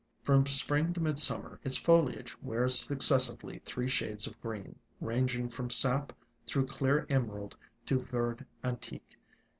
From Spring to Midsummer its foliage wears succes sively three shades of green, ranging from sap through clear emerald to verd antique.